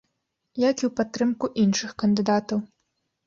Як і ў падтрымку іншых кандыдатаў.